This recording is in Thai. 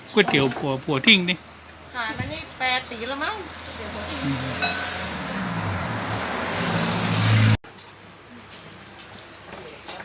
ก๋วยเตี๋ยวหัวหัวทิ้งนี่ขายมานี่แปดปีแล้วมั้ง